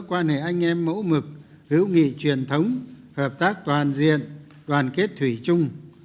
qua nề anh em mẫu mực hữu nghị truyền thống hợp tác toàn diện đoàn kết thủy chung